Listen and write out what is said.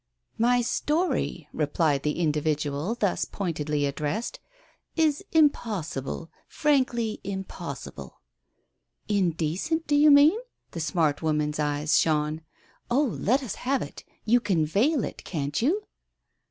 "My story," replied the individual thus pointedly addressed, "is impossible, frankly impossible." "Indecent, do you mean ?" The smart woman's eyes shone. "Oh, let us have it. You can veil it, can't you